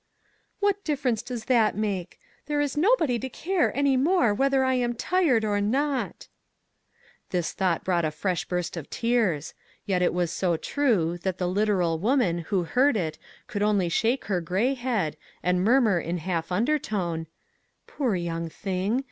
"What difference does that make? There is nobody to care any more whether I am tired or not" This thought brought a fresh burst of tears ; yet it was so true that the literal woman who heard it could only shake her gray head and murmur in half undertone :" Poor young thing!